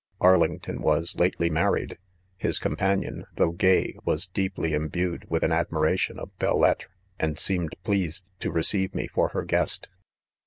Arlington was lately married., : His companion, though gay, was deeply imbued with an admiration of belles lettres, and . seemed .pleased to receive me for her guest.